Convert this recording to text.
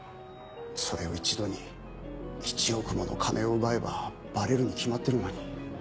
それを一度に１億もの金を奪えばバレるに決まってるのに。